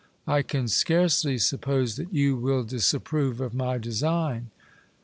I can scarcely suppose that you will dis approve of my design.